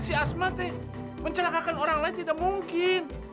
si asma itu mencelakakan orang lain tidak mungkin